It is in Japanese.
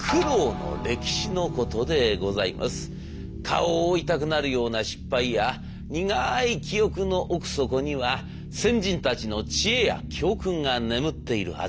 顔を覆いたくなるような失敗や苦い記憶の奥底には先人たちの知恵や教訓が眠っているはず。